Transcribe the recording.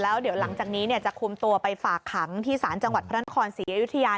แล้วเดี๋ยวหลังจากนี้จะคุมตัวไปฝากขังที่ศาลจังหวัดพระนครศรีอยุธยา